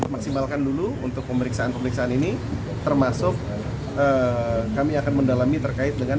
maksimalkan dulu untuk pemeriksaan pemeriksaan ini termasuk kami akan mendalami terkait dengan